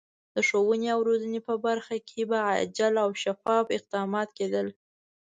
د ښوونې او روزنې په برخه کې به عاجل او شفاف اقدامات کېدل.